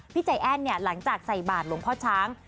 ใจแอ้นเนี่ยหลังจากใส่บาทหลวงพ่อช้าง